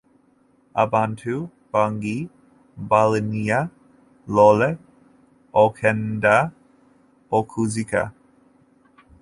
Abantu bangi baalinya loole okugenda okuziika.